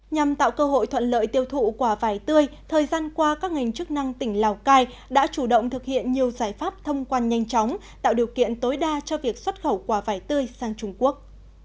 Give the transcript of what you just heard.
nhằm tạo cơ hội thuận lợi tiêu thụ quả vải tươi thời gian qua các ngành chức năng tỉnh lào cai đã chủ động thực hiện nhiều giải pháp thông quan nhanh chóng tạo điều kiện tối đa cho việc xuất khẩu quả vải tươi sang trung quốc